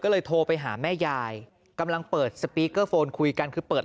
ก็เลยโทรไปหาแม่ยายกำลังเปิดสปีกเกอร์โฟนคุยกันคือเปิด